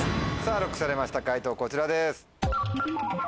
ＬＯＣＫされました解答こちらです。